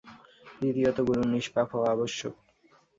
দ্বিতীয়ত গুরুর নিষ্পাপ হওয়া আবশ্যক।